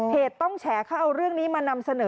เพจต้องแฉกค่ะเอาเรื่องนี้มานำเสนอ